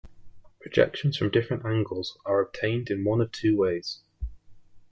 Projections from different angles are obtained in one of two ways.